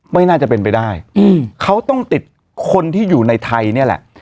ไม่น่าจะเป็นไปได้เขาต้องติดคนที่อยู่ในไทยนี่แหละ